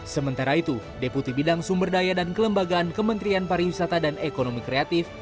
sementara itu deputi bidang sumber daya dan kelembagaan kementerian pariwisata dan ekonomi kreatif